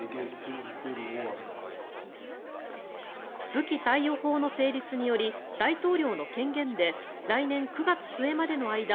武器貸与法の成立により大統領の権限で来年９月末までの間